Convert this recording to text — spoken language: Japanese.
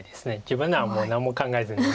自分ならもう何も考えずに。